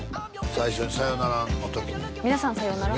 最初に「さようなら」の時に「みなさん、さようなら」？